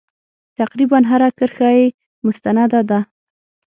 تقریبا هره کرښه یې مستنده ده.